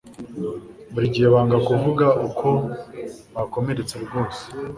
Buri gihe banga kuvuga uko bakomeretse rwose